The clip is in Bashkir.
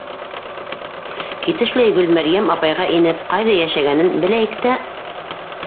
Китешләй Гөлмәрйәм апайға инеп, ҡайҙа йәшәгәнен беләйек тә...